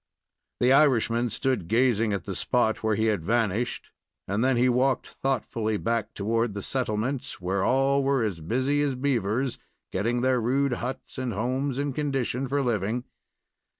The Irishman stood gazing at the spot where he had vanished, and then he walked thoughtfully back toward the settlement, where all were as busy as beavers, getting their rude huts and homes in condition for living.